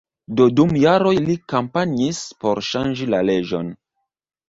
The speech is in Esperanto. Do dum jaroj li kampanjis por ŝanĝi la leĝon.